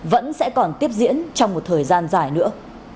vẫn sẽ còn tiếp diễn trong một thời gian dài nữa